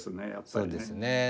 そうですね。